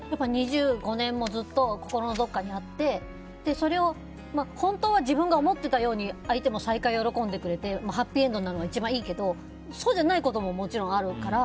２５年もずっと心のどこかにあってそれを本当は自分が思っていたように相手も再会を喜んでくれてハッピーエンドなのが一番いいけどそうじゃないことももちろんあるから。